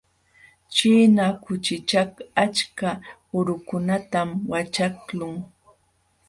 Ćhina kuchikaq achka urukunatam waćhaqlun.